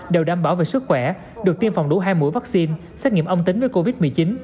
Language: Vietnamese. đều đảm bảo về sức khỏe được tiêm phòng đủ hai mũi vaccine xét nghiệm âm tính với covid một mươi chín